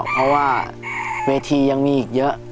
เพราะว่าเวทียังมีอีกเยอะ